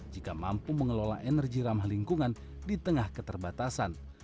jika mampu mengelola energi ramah lingkungan di tengah keterbatasan